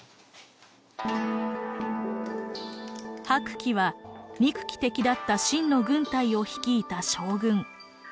白起は憎き敵だった秦の軍隊を率いた将軍。